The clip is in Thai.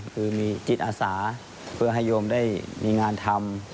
คือมีจิตอาสาเพื่อให้โยมได้มีงานทำ